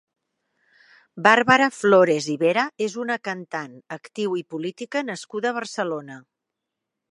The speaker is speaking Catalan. Bàrbara Flores i Vera és una cantant, actriu i política nascuda a Barcelona.